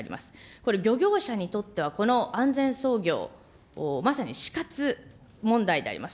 これ、漁業者にとってはこの安全操業、まさに死活問題であります。